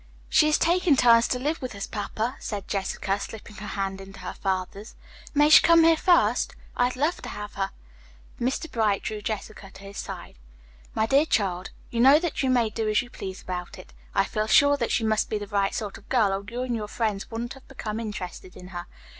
"She is to take turns living with us, papa," said Jessica, slipping her hand into her father's. "May she come here first? I'd love to have her." Mr. Bright drew Jessica to his side. "My dear child, you know that you may do as you please about it. I feel sure that she must be the right sort of girl, or you and your friends wouldn't have become interested in her.